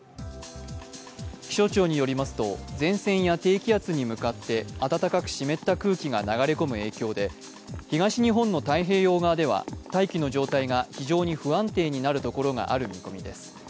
気象庁によりますと前線や低気圧に向かって、暖かく湿った空気が流れ込む影響で東日本の太平洋側では大気の状態が非常に不安定になるところがある見込みです。